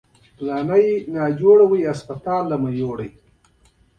نوري مایکروسکوپونه په کمه اندازه شی غټولای شي.